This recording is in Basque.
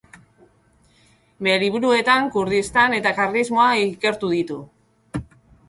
Bere liburuetan Kurdistan eta karlismoa ikertu ditu.